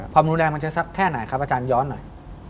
ความรุนแรงมันจะสักแค่ไหนครับอาจารย์ย้อนหน่อย